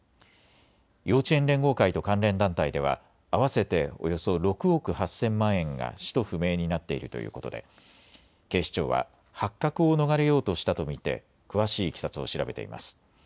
幼稚園連合会と関連団体では合わせておよそ６億８０００万円が使途不明になっているということで警視庁は発覚を逃れようとしたと見て詳しいいきさつを調べています。